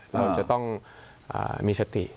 เราจะต้องมีสติ